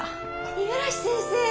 五十嵐先生